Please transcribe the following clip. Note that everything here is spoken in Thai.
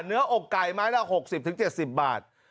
เนื้ออกไก่ไม้ละ๖๐๗๐บาท